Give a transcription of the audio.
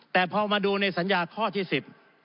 แต่พอมาดูในสัญญาข้อที่สิบ